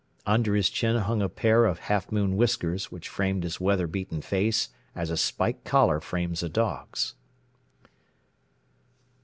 Under his chin hung a pair of half moon whiskers which framed his weather beaten face as a spike collar frames a dog's.